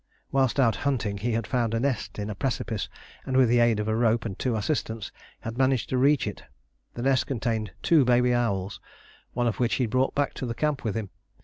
Whilst out hunting he had found a nest in a precipice, and, with the aid of a rope and two assistants, had managed to reach it. The nest contained two baby owls, one of which he brought back to the camp with him.